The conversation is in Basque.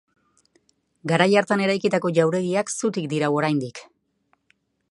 Garai hartan eraikitako jauregiak zutik dirau oraindik.